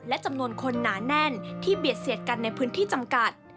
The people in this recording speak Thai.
และจำนวนคนหนาแน่นที่เบียดเสียดกันในพื้นที่จำกัด